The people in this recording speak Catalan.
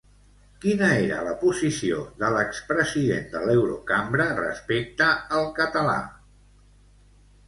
Quina era la posició de l'expresident de l'Eurocambra respecte al català?